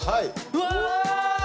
うわ！